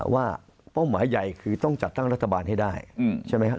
เป้าหมายใหญ่คือต้องจัดตั้งรัฐบาลให้ได้ใช่ไหมครับ